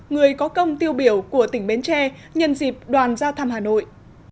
người có công tiêu biểu của tỉnh bến tre nhân dịp đoàn ra thăm hà nội